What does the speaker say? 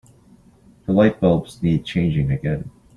The lightbulbs need changing again.